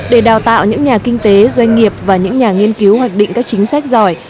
để đào tạo những nhà kinh tế doanh nghiệp và những nhà nghiên cứu hoạch định các chính sách giỏi